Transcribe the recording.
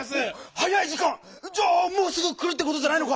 はやいじかん⁉じゃあもうすぐくるってことじゃないのか！